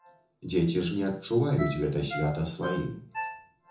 Дзеці ж не адчуваюць гэта свята сваім.